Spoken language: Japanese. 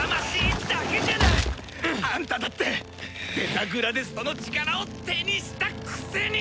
あんただってデザグラでその力を手にしたくせに！